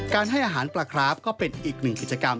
ให้อาหารปลาคราฟก็เป็นอีกหนึ่งกิจกรรม